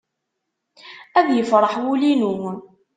Ad yefreḥ wul-inu.